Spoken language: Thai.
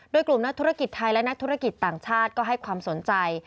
โดยกลุ่มนักธุรกิจไทยและนักธุรกิจต่างชาติก็ให้ความสนใจ